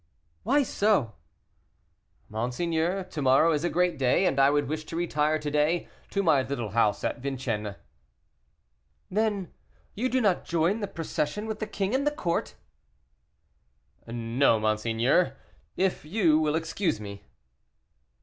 "Why so?" "Monseigneur, to morrow is a great day, and I would wish to retire to day to my little house at Vincennes." "Then you do not join the procession with the king and court?" "No, monseigneur, if you will excuse me."